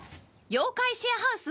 『妖怪シェアハウス』